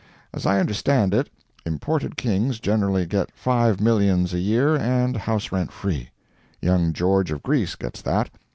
As I understand it, imported kings generally get five millions a year and house rent free. Young George of Greece gets that.